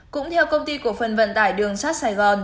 cũng theo công ty cổ phần vận tải đường sắt sài gòn